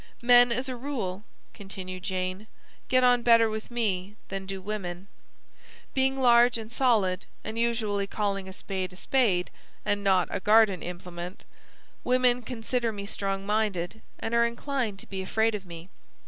"Men as a rule," Continued Jane, "get on better with me than do women. Being large and solid, and usually calling a spade 'a spade;' and not 'a garden implement,' women consider me strong minded, and are inclined to be afraid of me.